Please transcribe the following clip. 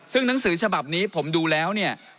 ซึ่งหนังสือฉบับนี้ผมดูแล้วเนี่ย